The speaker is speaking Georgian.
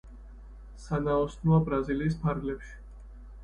სანაოსნოა ბრაზილიის ფარგლებში.